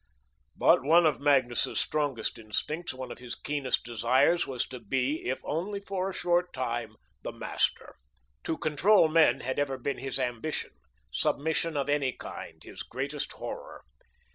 But one of Magnus's strongest instincts, one of his keenest desires, was to be, if only for a short time, the master. To control men had ever been his ambition; submission of any kind, his greatest horror.